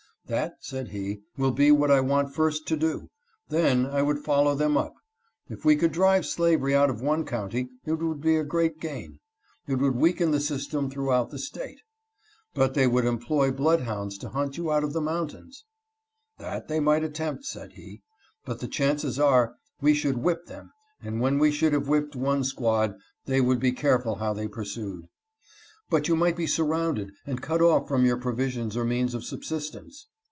" That," said he, " will be what I want first to do ; then I would follow them up. If we could drive slavery out of one county, it would be a great gain; it would weaken the system throughout the State." " Bujt they would employ blood hounds to hunt you out of the mountains." " That they 342 WAS WILLING TO LAY DOWN HIS LIFE. might attempt," said he, " but the chances are, we should whip them, and when we should have whipped one squad, they would be careful how they pursued." " But you might be surrounded and cut off from your provisions or means of subsistence."